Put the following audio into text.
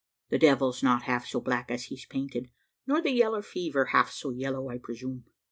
The devil's not half so black as he's painted nor the yellow fever half so yellow, I presume."